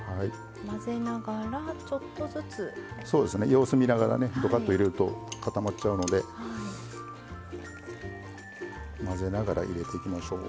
様子見ながらねどかっと入れると固まっちゃうので混ぜながら入れていきましょう。